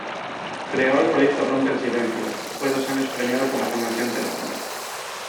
Creó el Proyecto Rompe el Silencio, fue dos años premiado por la Fundación Telefónica.